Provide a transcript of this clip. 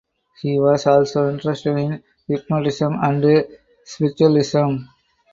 He was also interested in hypnotism and spiritualism.